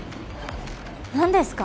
何ですか？